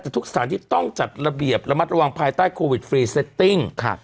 แต่ทุกสถานที่ต้องจัดระเบียบระมัดระวังภายใต้โควิดฟรีเซตติ้ง